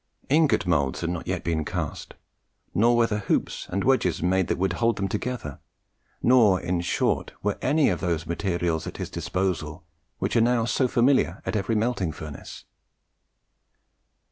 Ingot moulds had not yet been cast, nor were there hoops and wedges made that would hold them together, nor, in short, were any of those materials at his disposal which are now so familiar at every melting furnace.